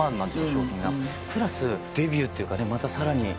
プラスデビューっていうかまたさらに。